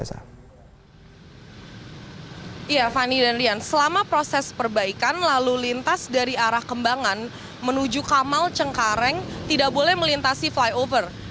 selama proses perbaikan lalu lintas dari arah kembangan menuju kamal cengkareng tidak boleh melintasi flyover